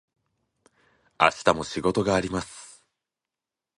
明日も仕事があります。